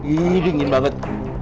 ih dingin banget